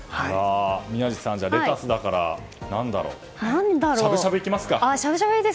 宮司さん、レタスだからしゃぶしゃぶいきますか。